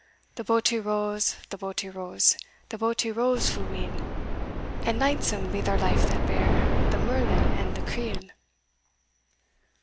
The boatie rows, the boatie rows, The boatie rows fu' weel, And lightsome be their life that bear The merlin and the creel!